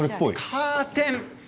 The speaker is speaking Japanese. カーテン。